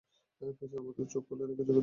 পেঁচার মতো চোখ খুলে রেখেছ কেনো।